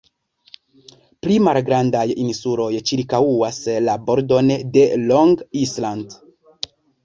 Pli malgrandaj insuloj ĉirkaŭas la bordon de Long Island.